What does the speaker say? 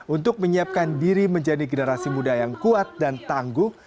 untuk menyiapkan diri menjadi generasi muda yang kuat dan tangguh